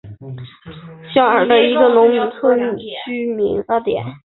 新肖尔基农村居民点是俄罗斯联邦布良斯克州布良斯克区所属的一个农村居民点。